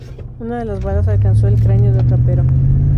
Una de las balas alcanzó el cráneo del rapero.